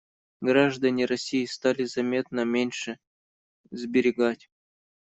Граждане России стали заметно меньше сберегать.